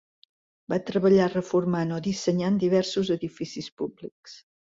Va treballar reformant o dissenyant diversos edificis públics.